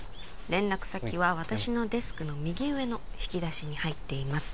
「連絡先は私のデスクの右上の引き出しに入っています」